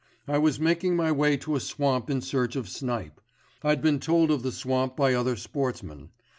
I was making my way to a swamp in search of snipe; I'd been told of the swamp by other sportsmen.